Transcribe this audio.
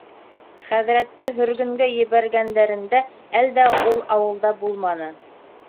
Хәҙрәтте һөргөнгә ебәргәндәрендә әлдә ул ауылда булманы.